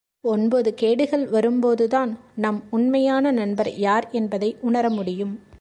ஒன்பது கேடுகள் வரும்போதுதான் நம் உண்மையான நண்பர் யார் என்பதை உணர முடியும்.